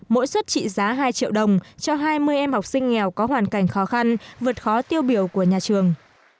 mỗi suất trị giá hai triệu đồng cho hai mươi em học sinh nghèo có hoàn cảnh khó khăn vượt khó tiêu biểu của nhà trường